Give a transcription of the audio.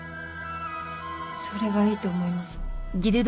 それがいいと思います。